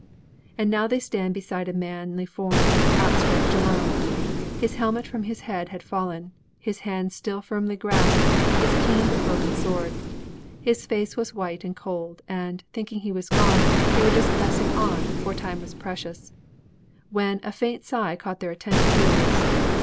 And now they stand Beside a manly form, outstretched alone. His helmet from his head had fallen. His hand Still firmly grasped his keen but broken sword. His face was white and cold, and, thinking he was gone, They were just passing on, for time was precious, When a faint sigh caught their attentive ears.